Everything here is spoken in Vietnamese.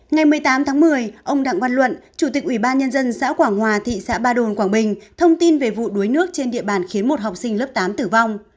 ngày một mươi tám tháng một mươi ông đặng văn luận chủ tịch ủy ban nhân dân xã quảng hòa thị xã ba đồn quảng bình thông tin về vụ đuối nước trên địa bàn khiến một học sinh lớp tám tử vong